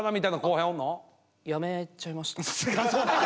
辞めちゃいました。